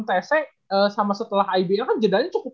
tc sama setelah ibl kan jedanya cukup